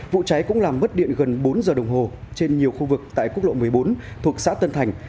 vụ cháy cũng làm mất điện gần bốn giờ đồng hồ trên nhiều khu vực tại quốc lộ một mươi bốn thuộc xã tân thành